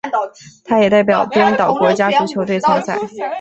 他也代表冰岛国家足球队参赛。